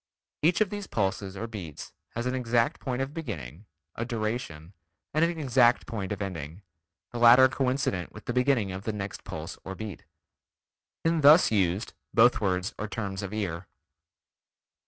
Each of these pulses or beats has an exact point of beginning, a duration, and an exact point of ending, the latter coincident with the beginning of the next pulse or beat. When thus used, both words are terms of ear.